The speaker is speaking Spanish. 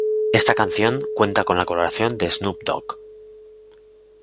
Esta canción cuenta con la colaboración de Snoop Dogg.